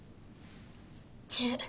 １０。